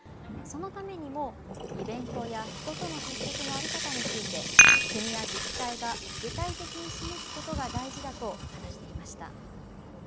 そのためにもイベントや人との接触の在り方について国や自治体が具体的に示すことが大事だと話していました。